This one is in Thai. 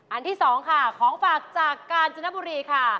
ที่๒ค่ะของฝากจากกาญจนบุรีค่ะ